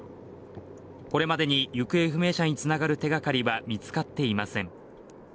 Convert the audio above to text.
これまでに行方不明者につながる手がかりは見つかっていません